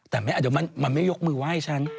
แต่ไม่อาจจะมันไม่ยกมือไหว้ฉัน